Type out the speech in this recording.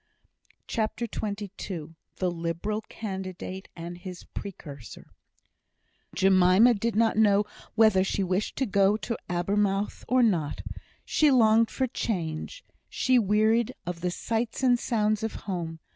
CHAPTER XXII The Liberal Candidate and His Precursor Jemima did not know whether she wished to go to Abermouth or not. She longed for change. She wearied of the sights and sounds of home.